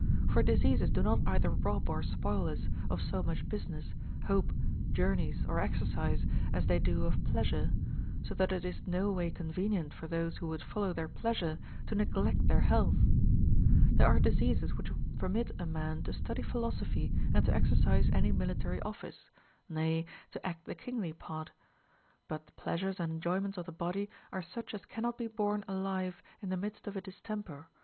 For diseases do not either rob or spoil us of so much business, hope, journeys, or exercise, as they do of pleasure ; so that it is no way convenient for those who would follow their pleasure to neglect their health. There are diseases which will permit a man to study philosophy and to exercise any military * Μηδέν δια<^ίρευν όπισθεν τίνα η ίμπροσθεν είναι κίναιδον. UTILES FOR THE TRESERVATION OF HEALTH. 259 office, nay, to act the kingly part. But the pleasures and enjoyments of the body are such as cannot be born alive in the midst of a distempei